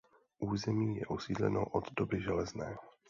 Území je osídleno od doby železné.